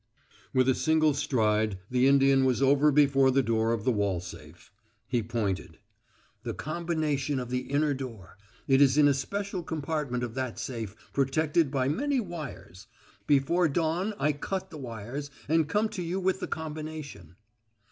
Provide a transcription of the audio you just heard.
With a single stride the Indian was over before the door of the wall safe. He pointed. "The combination of the inner door it is in a special compartment of that safe, protected by many wires. Before dawn I cut the wires and come to you with the combination."